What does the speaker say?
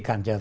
cảm trở thất